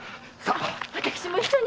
私も一緒に。